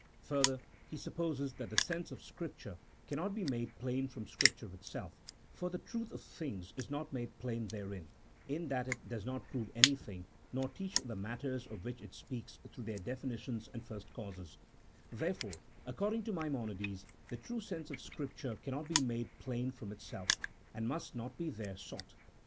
Further, he supposes that the sense of Scripture cannot be made plain from Scripture itself, for the truth of things is not made plain therein (in that it does not prove any thing, nor teach the matters of which it speaks through their definitions and first causes), there fore, according to Maimonides, the true sense of Scripture cannot be made plain from itself, and must not be there sought.